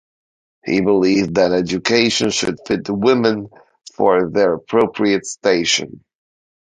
He believed that education should fit women for their appropriate station.